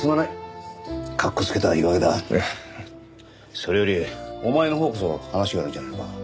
それよりお前のほうこそ話があるんじゃないのか？